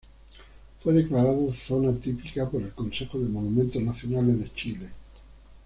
Fue declarado como zona típica por el Consejo de Monumentos Nacionales de Chile.